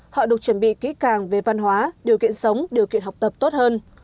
họ được chuẩn bị kỹ càng về văn hóa điều kiện sống điều kiện học tập tốt hơn